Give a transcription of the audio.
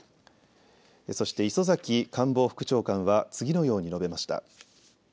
そして磯崎官房副長官は次のように述べました。